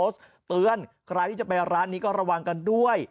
เตือนใครที่จะไปร้านนี้ก็ระวังกันด้วย